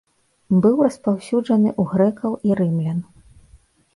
Быў распаўсюджаны ў грэкаў і рымлян.